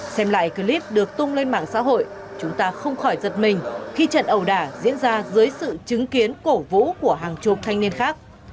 xem lại clip được tung lên mạng xã hội chúng ta không khỏi giật mình khi trận ẩu đả diễn ra dưới sự chứng kiến cổ vũ của hàng chục thanh niên khác